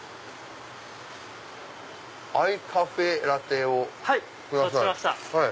アイカフェラテをください。